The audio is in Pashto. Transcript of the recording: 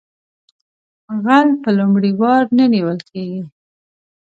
غل په لومړي وار نه نیول کیږي